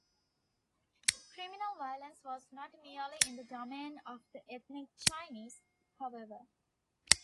Criminal violence was not merely in the domain of the ethnic Chinese, however.